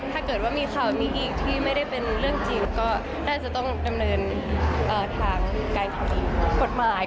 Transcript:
ถ้าเกิดว่ามีข่าวนี้อีกที่ไม่ได้เป็นเรื่องจริงก็น่าจะต้องดำเนินทางการทางกฎหมาย